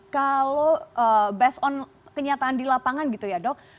kalau based on kenyataan di lapangan gitu ya dok